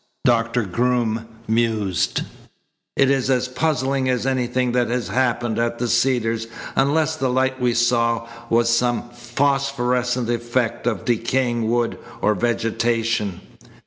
Doctor Groom mused. "It is as puzzling as anything that has happened at the Cedars unless the light we saw was some phosphorescent effect of decaying wood or vegetation."